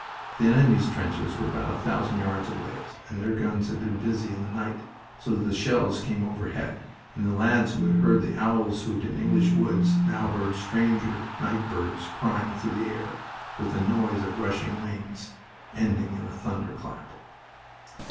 The enemy's trenches were about a thousand yards away, and their guns were busy in the night, so that the shells came overhead, and lads who had heard the owls hoot in English woods now heard stranger night birds crying through the air, with the noise of rushing wings, ending in a thunderclap.